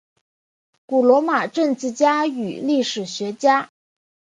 古罗马政治家与历史学家。